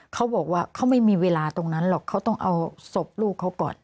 เขาบอกว่าเขาไม่มีเวลาตรงนั้นหรอกเขาต้องเอาศพลูกเขาก่อน